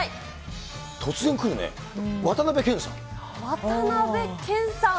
突然くるね、渡辺謙さん。